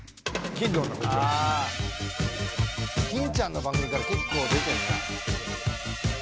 欽ちゃんの番組から結構出てんな。